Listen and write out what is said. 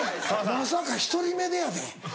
まさか１人目でやで。